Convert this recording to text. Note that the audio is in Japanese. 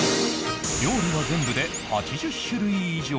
料理は全部で８０種類以上